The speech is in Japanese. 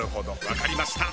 分かりました。